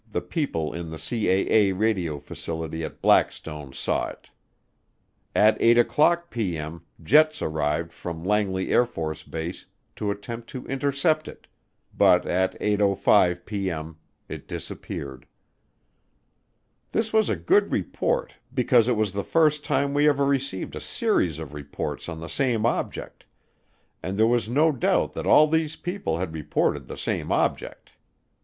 the people in the CAA radio facility at Blackstone saw it. At 8:00P.M. jets arrived from Langley AFB to attempt to intercept it, but at 8:05P.M. it disappeared. This was a good report because it was the first time we ever received a series of reports on the same object, and there was no doubt that all these people had reported the same object.